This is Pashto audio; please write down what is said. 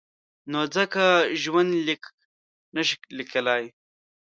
نو ځکه ژوندلیک نشي لیکلای.